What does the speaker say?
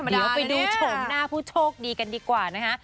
เดี๋ยวไปดูโฉมหน้าผู้โชคดีกันดีกว่านะคะ